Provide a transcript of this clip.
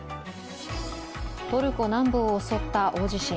トルコ南部を襲った大地震。